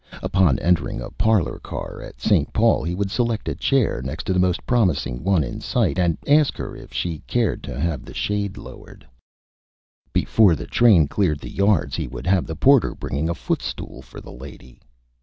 Upon entering a Parlor Car at St. Paul he would select a Chair next to the Most Promising One in Sight, and ask her if she cared to have the Shade lowered. Before the Train cleared the Yards he would have the Porter bringing a Foot Stool for the Lady.